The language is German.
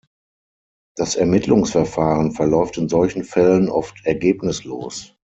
Das Ermittlungsverfahren verläuft in solchen Fällen oft ergebnislos.